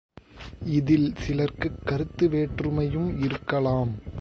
இதில் சிலர்க்குக் கருத்து வேற்றுமையும் இருக்கலாம்.